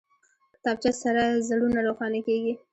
کتابچه سره زړونه روښانه کېږي